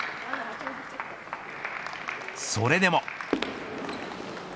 それでも。